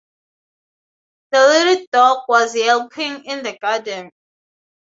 The little dog was yelping in the garden.